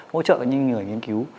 hỗ trợ những người nghiên cứu